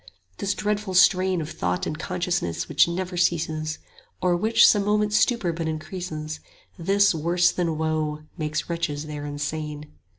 This dreadful strain Of thought and consciousness which never ceases, 75 Or which some moments' stupor but increases, This, worse than woe, makes wretches there insane.